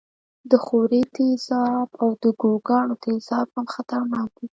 د ښورې تیزاب او د ګوګړو تیزاب هم خطرناک دي.